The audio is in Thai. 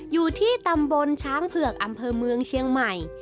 อยู่ที่ตำบลช้างเผือกอำเภอเมืองเชียงใหม่